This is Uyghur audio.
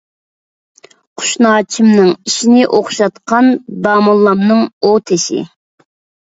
قۇشناچىمنىڭ ئېشىنى ئوخشاتقان داموللامنىڭ ئوتيېشى.